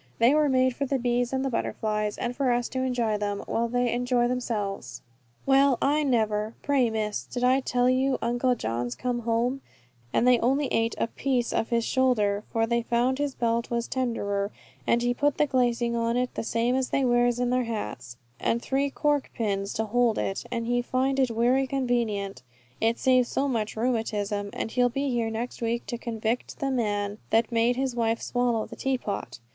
They were made for the bees and the butterflies, and for us to enjoy them, while they enjoy themselves." "Well, I never. Pray, Miss, did I tell you Uncle John's come home, and they only ate a piece of his shoulder for they found his belt was tenderer; and he put the glazing on it the same as they wears on their hats, and three cork pins to hold it, and he find it werry convenient, it save so much rheumatism: and he'll be here next week to convict the man that made his wife swallow the tea pot.